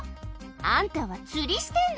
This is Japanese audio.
あんたは釣りしてんの？